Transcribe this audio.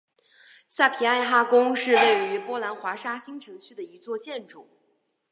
萨皮埃哈宫是位于波兰华沙新城区的一座建筑。